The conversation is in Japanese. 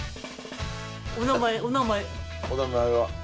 お名前は。